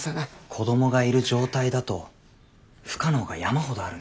子供がいる状態だと不可能が山ほどあるんです。